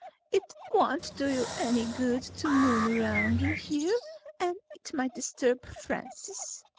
"It won't do you any good to moon around in here and it might disturb Francis."